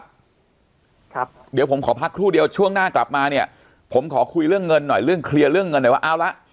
ครับครับเดี๋ยวผมขอพักครู่เดียวช่วงหน้ากลับมาเนี่ยผมขอคุยเรื่องเงินหน่อยเรื่องเคลียร์เรื่องเงินหน่อยว่าเอาละ